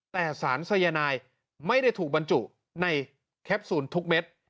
แต่สารสายนายไม่ได้ถูกบรรจุในแคปซูลทุกเม็ด